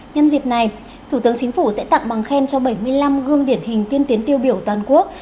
nhân dịp này thủ tướng chính phủ sẽ tặng bằng khen cho bảy mươi năm gương điển hình tiên tiến tiêu biểu toàn quốc